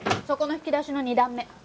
そこの引き出しの２段目。